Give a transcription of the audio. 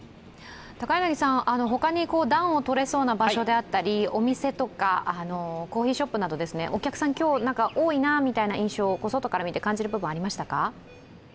他に暖を取れそうな場所であったりお店とか、コーヒーショップなど、お客さん、今日多いなという印象とか、外から見て感じる部分はありましたか？